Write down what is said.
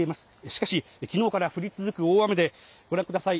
しかし昨日から降り続く大雨でご覧ください